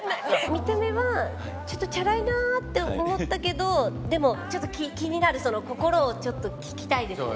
見た目はちょっとチャラいなって思ったけどでもちょっと気になる心をちょっと聞きたいですね。